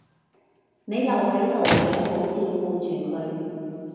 你留喺度好好照顧住佢